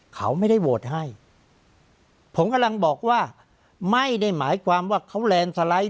เขาไม่ได้โหวตให้ผมกำลังบอกว่าไม่ได้หมายความว่าเขาแลนด์สไลด์